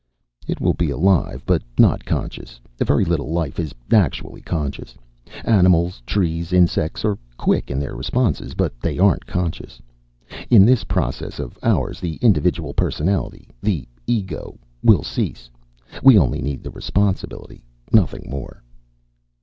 "It will be alive, but not conscious. Very little life is actually conscious. Animals, trees, insects are quick in their responses, but they aren't conscious. In this process of ours the individual personality, the ego, will cease. We only need the response ability, nothing more."